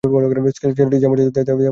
ছেলেটির যেমন সাহস তেমনি তীক্ষ্ণ বুদ্ধি।